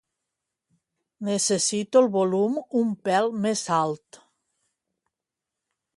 Necessito el volum un pèl més alt.